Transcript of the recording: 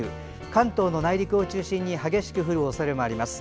関東の内陸を中心に激しく降るおそれもあります。